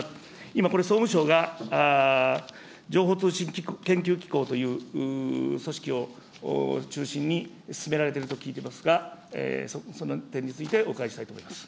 今、これ、総務省が、情報通信研究機構という組織を中心に、進められていると聞いていますが、その点についてお伺いしたいと思います。